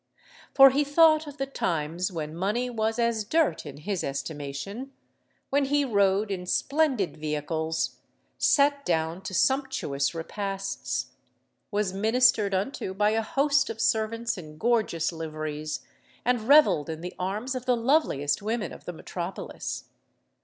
For he thought of the times when money was as dirt in his estimation,—when he rode in splendid vehicles, sate down to sumptuous repasts, was ministered unto by a host of servants in gorgeous liveries, and revelled in the arms of the loveliest women of the metropolis.